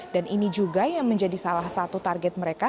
dan ini juga yang menjadi salah satu target mereka